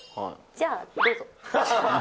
じゃあ、どうぞ。